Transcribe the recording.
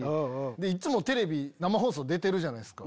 いつもテレビ生放送出てるじゃないですか。